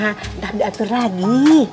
entah diatur lagi